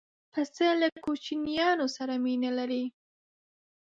پسه له کوچنیانو سره مینه لري.